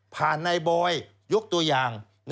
ผ่านในบอยยกตัวอย่าง